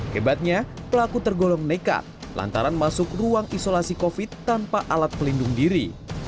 hebatnya pelaku tergolong nekat lantaran masuk ruang isolasi covid sembilan belas tanpa alat pelindung diri